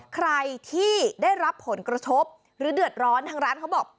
ใครที่ได้รับผลกระทบหรือเดือดร้อนทางร้านเขาบอก